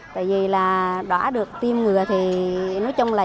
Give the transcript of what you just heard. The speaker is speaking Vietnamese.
tại vì đã được tiêm người thì nói chung là